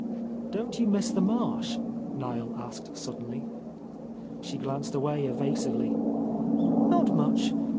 "Don't you miss the marsh?" Niel asked suddenly. She glanced away evasively. "Not much.